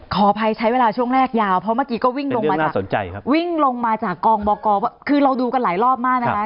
ขออภัยใช้เวลาช่วงแรกยาวเพราะเมื่อกี้ก็วิ่งลงมาวิ่งลงมาจากกองบกคือเราดูกันหลายรอบมากนะคะ